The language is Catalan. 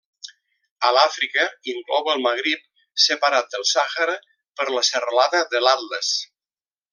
A l'Àfrica, inclou el Magrib, separat del Sàhara per la serralada de l'Atles.